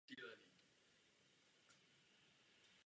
Klubové barvy byly tmavě zelená a bílá.